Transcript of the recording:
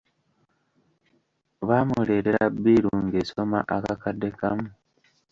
Baamuleetera bbiiru ng'esoma akakadde kamu.